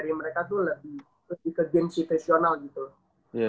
yang mereka tuh lebih ke game situasional gitu loh